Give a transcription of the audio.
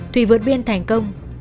thùy vượt biên thành công